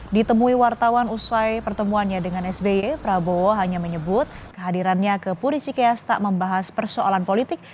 ditemui wartawan usai pertemuannya dengan sby prabowo hanya menyebut kehadirannya ke puricikeas tak membahas persoalan politik